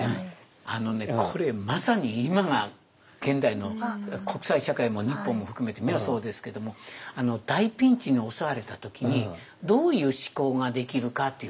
あのねこれまさに今が現代の国際社会も日本も含めて皆そうですけども大ピンチに襲われた時にどういう思考ができるかっていう。